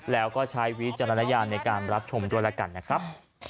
แล้วก็ใช้วิจารณญาณในการรับชมด้วยแล้วกันนะครับ